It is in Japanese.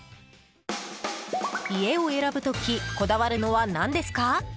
家を選ぶ時こだわるのは何ですか？